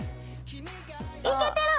いけてる！